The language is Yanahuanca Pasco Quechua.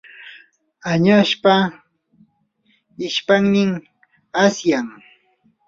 añaspa ishpaynin asyan.